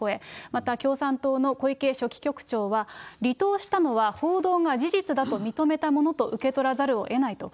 また共産党の小池書記局長は、離党したのは報道が事実だと認めたものと受け取らざるをえないと。